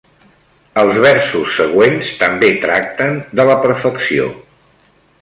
Els versos següents també tracten de la perfecció.